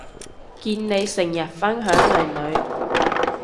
見你成日分享囡囡